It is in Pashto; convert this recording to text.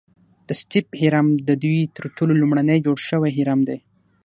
د سټیپ هرم ددوی تر ټولو لومړنی جوړ شوی هرم دی.